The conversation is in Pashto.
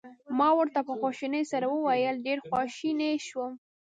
ما ورته په خواشینۍ سره وویل: ډېر خواشینی شوم.